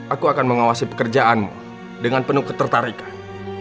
aku akan mengawasi pekerjaanmu dengan penuh ketertarikan